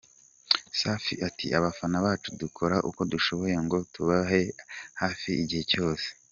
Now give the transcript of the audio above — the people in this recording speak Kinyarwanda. Safi ati “Abafana bacu dukora uko dushoboye ngo tubabe hafi igihe cyose.